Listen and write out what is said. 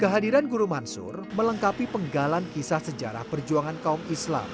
kehadiran guru mansur melengkapi penggalan kisah sejarah perjuangan kaum islam